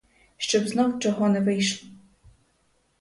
Щоб знов чого не вийшло.